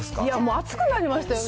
暑くなりましたよね。